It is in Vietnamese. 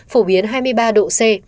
phổ biến hai mươi ba độ c